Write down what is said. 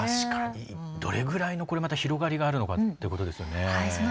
どれぐらいの広がりがあるのかということですよね。